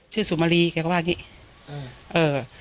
ชื่อสุมารีเขาก็บอกว่าอย่างงี้